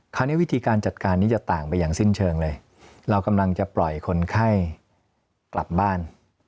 วิธีการจัดการนี้จะต่างไปอย่างสิ้นเชิงเลยเรากำลังจะปล่อยคนไข้กลับบ้าน